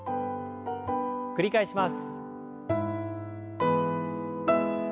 繰り返します。